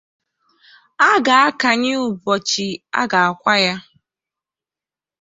a ga-akànye ụbọchị a ga-akwa ya